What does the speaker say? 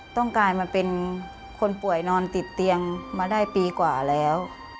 กลายมาเป็นคนป่วยนอนติดเตียงมาได้ปีกว่าแล้ว